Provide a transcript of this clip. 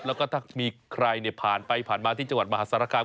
แล้วก็ถ้ามีใครผ่านไปผ่านมาที่จังหวัดมหาสารคาม